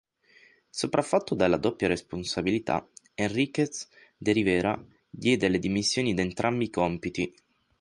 Sopraffatto dalla doppia responsabilità, Enríquez de Rivera diede le dimissioni da entrambi i compiti.